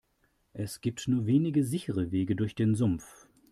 Es gibt nur wenige sichere Wege durch den Sumpf.